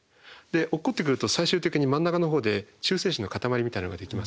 落っこってくると最終的に真ん中のほうで中性子の塊みたいなのができます。